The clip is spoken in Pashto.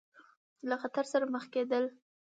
له خطر سره مخ کېدل دي.